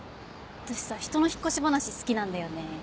私さ人の引っ越し話好きなんだよね。